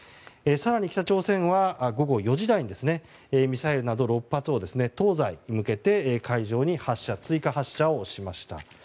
更に、北朝鮮は午後４時台にミサイルなど６発を東西に向けて海上に追加発射をしました。